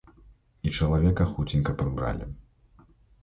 І чалавека хуценька прыбралі.